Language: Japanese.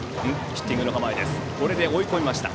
ヒッティングの構えでした。